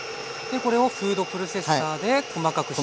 これをフードプロセッサーで細かくしていくと。